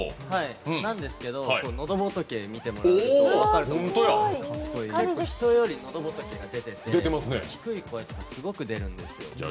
なんですけどのどぼとけを見てもらうと分かると思うんですが結構、人よりのどぼとけが出てて低い声がすごく出るんです。